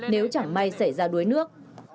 nếu chẳng may xảy ra đuối nước